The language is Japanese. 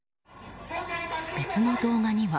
別の動画には。